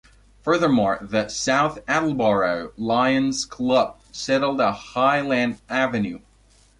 Furthermore, the South Attleboro Lions Club settled on Highland Avenue.